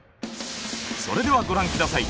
それではご覧下さい。